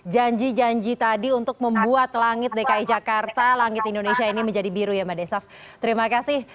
janji janji tadi untuk membuat langit dki jakarta langit indonesia ini menjadi biru ya mbak desaf terima kasih